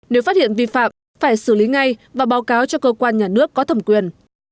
nếu phát hiện vi phạm phải xử lý ngay và báo cáo cho cơ quan nhà nước có thẩm quyền